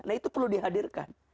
nah itu perlu dihadirkan